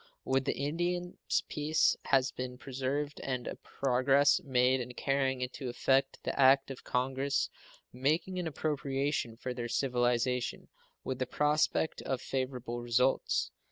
With the Indians peace has been preserved and a progress made in carrying into effect the act of Congress making an appropriation for their civilization, with the prospect of favorable results.